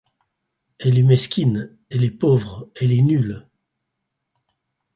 Elle est mesquine, elle est pauvre, elle est nulle.